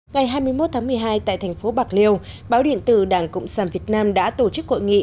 ngày hai mươi một tháng một mươi hai tại thành phố bạc liêu báo điện tử đảng cộng sản việt nam đã tổ chức hội nghị